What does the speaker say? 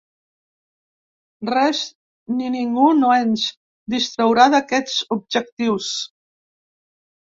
Res ni ningú no ens distraurà d’aquests objectius.